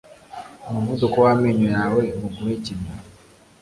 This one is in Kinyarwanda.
Umuvuduko w'amenyo yawe mu guhekenya